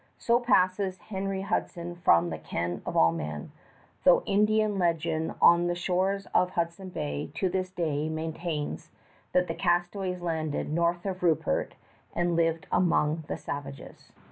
So passes Henry Hudson from the ken of all men, though Indian legend on the shores of Hudson Bay to this day maintains that the castaways landed north of Rupert and lived among the savages.